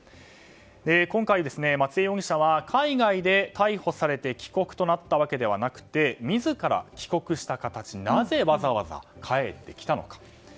今回、松江容疑者は海外で逮捕されて帰国となったわけじゃなく自ら帰国した形。なぜわざわざ帰ってきたのか。